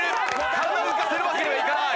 体を浮かせるわけにはいかない。